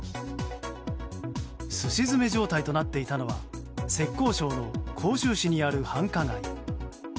すし詰め状態となっていたのは浙江省の杭州市にある繁華街。